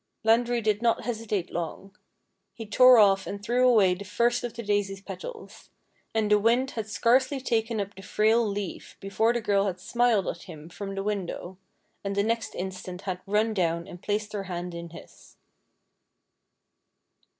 Landry did not hesitate long. He tore off and threw away the first of the daisy's petals ; and the wind had scarcely taken up the frail leaf before the girl had smiled at him from the window, and the next instant had run down and placed her hand in his.